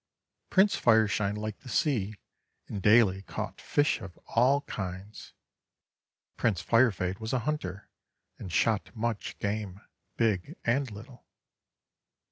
Prince Fireshine liked the sea, and daily caught fish of all kinds. Prince Firefade was a hunter, and shot much game, big and little.